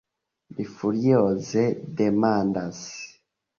Li furioze demandas.